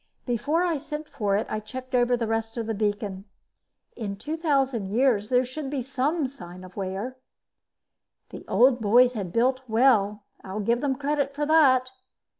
Before I sent for it, I checked over the rest of the beacon. In 2000 years, there should be some sign of wear. The old boys had built well, I'll give them credit for that.